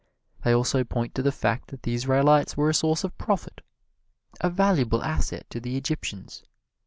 They also point to the fact that the Israelites were a source of profit a valuable asset to the Egyptians.